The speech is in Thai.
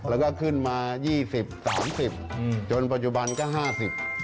แล้วก็ขึ้นมา๒๐๓๐บาทจนปัจจุบันก็๕๐บาท